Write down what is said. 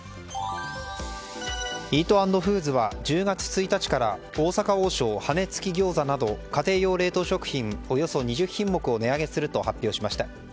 イートアンドフーズは１０月１日から大阪王将羽根つき餃子など家庭用冷凍食品などおよそ２０品目を値上げすると発表しました。